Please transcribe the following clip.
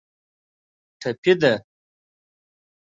ټپي ده.